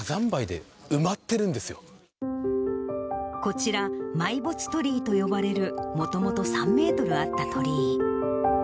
これ、こちら、埋没鳥居と呼ばれるもともと３メートルあった鳥居。